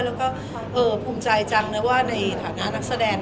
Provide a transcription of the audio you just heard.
แล้วก็ภูมิใจจังนะว่าในฐานะนักแสดง